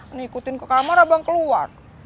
ini ikutin ke kamar abang keluar